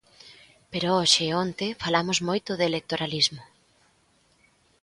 Pero hoxe e onte falamos moito de electoralismo.